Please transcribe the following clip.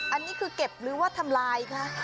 อันนี้คือเก็บหรือว่าทำลายคะ